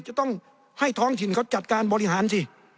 จะต้องให้ท้องถิ่นเขาจัดการบริหารสิ